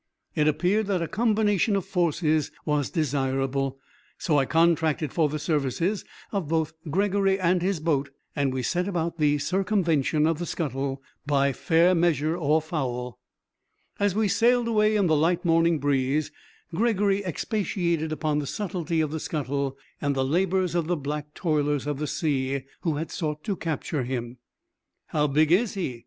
It appeared that a combination of forces was desirable, so I contracted for the services of both Gregory and his boat, and we set about the circumvention of the scuttle by fair measure or foul. As we sailed away in the light morning breeze, Gregory expatiated upon the subtlety of the scuttle and the labors of the black toilers of the sea, who had sought to capture him. 'How big is he?'